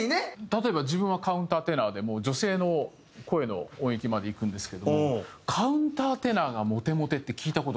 例えば自分はカウンターテナーでも女性の声の音域までいくんですけどもカウンターテナーがモテモテって聞いた事がない。